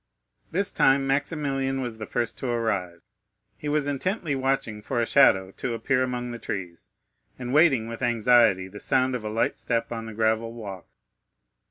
This time Maximilian was the first to arrive. He was intently watching for a shadow to appear among the trees, and awaiting with anxiety the sound of a light step on the gravel walk.